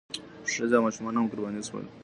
ښځې او ماشومان هم قرباني شول.